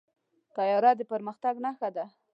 طیاره د پرمختګ نښه ده.